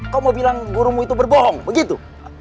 kamu mau bilang gurumu itu berbohong begitu